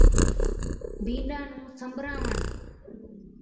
بِينڏا نُون سنبراوَڻ